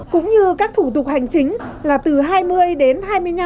cũng như các thủ tục hành chính là từ hai mươi đến hai mươi năm